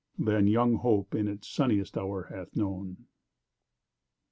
Than young Hope in his sunniest hour hath known.